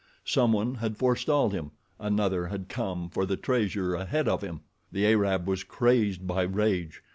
Someone had forestalled him—another had come for the treasure ahead of him. The Arab was crazed by rage.